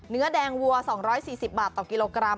เนื้อแดงวัว๒๔๐บาทต่อกิโลกรัม